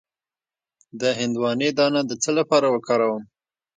د هندواڼې دانه د څه لپاره وکاروم؟